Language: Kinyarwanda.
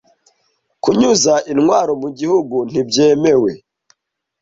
kunyuza intwaro mu gihugu nti byemewe